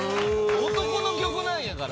男の曲なんやから。